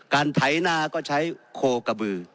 การไถนาก็ใช้โครโกบืนนะครับ